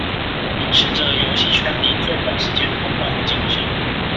秉持著遊戲圈裡最短時間通關的精神